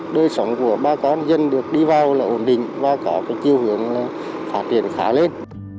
đời sống của bà con dân được đi vào là ổn định và có cái chiều hướng phát triển khá lên